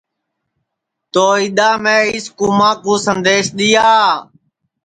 تو اِدؔا میں اِس کُوماں کُو سندیس دؔیا